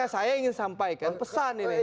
saya ingin sampaikan pesan ini